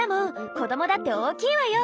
子どもだって大きいわよ。